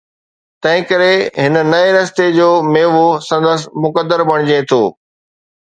تنهنڪري هن نئين رستي جو ميوو سندس مقدر بڻجي ٿو.